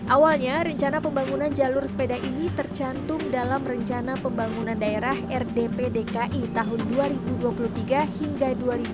awalnya rencana pembangunan jalur sepeda ini tercantum dalam rencana pembangunan daerah rdp dki tahun dua ribu dua puluh tiga hingga dua ribu dua puluh